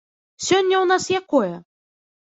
Сёння ў нас якое?